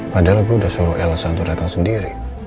padahal gue udah suruh lsm untuk datang sendiri